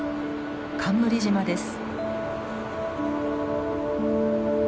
冠島です。